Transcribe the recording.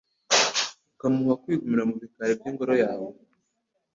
ukamuha kwigumira mu bikari by’Ingoro yawe